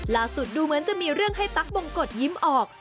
ดูเหมือนจะมีเรื่องให้ตั๊กบงกฎยิ้มออก